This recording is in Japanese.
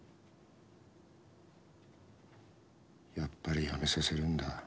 やっぱり辞めさせるんだ。